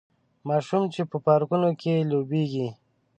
ماشومان چې په پارکونو کې لوبیږي